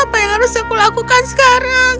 apa yang harus aku lakukan sekarang